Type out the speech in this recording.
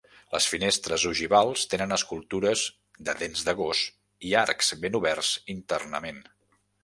Les finestres ogivals tenen escultures de dents de gos i arcs ben oberts internament.